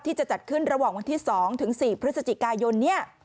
จะจัดขึ้นระหว่างวันที่๒ถึง๔พฤศจิกายน